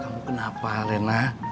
kamu kenapa lena